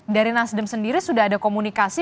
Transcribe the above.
dari nasdem sendiri sudah ada komunikasi